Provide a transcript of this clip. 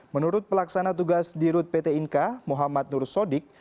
menurut pelaksana tugas dirut pt inka muhammad nur sodik